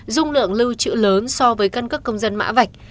dung lượng lưu chữ lớn so với căn cước công dân mã vạch